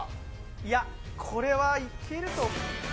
いや、これはいけると。